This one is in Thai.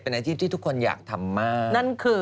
อาชีพที่ทุกคนอยากทำมาก